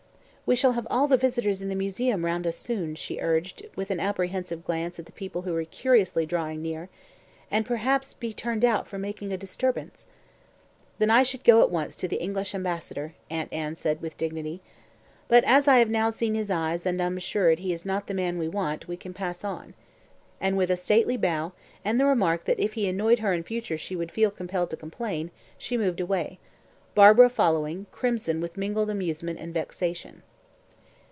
"We shall have all the visitors in the Museum round us soon," she urged, with an apprehensive glance at the people who were curiously drawing near, "and shall perhaps be turned out for making a disturbance." "Then I should go at once to the English ambassador," Aunt Anne said with dignity. "But, as I have now seen his eyes and am assured he is not the man we want, we can pass on," and with a stately bow, and the remark that if he annoyed her in future she would feel compelled to complain, she moved away, Barbara following, crimson with mingled amusement and vexation.